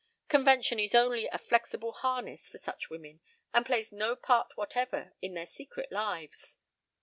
Convention is only a flexible harness for such women and plays no part whatever in their secret lives."